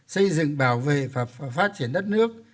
xây dựng bảo vệ và phát triển đất nước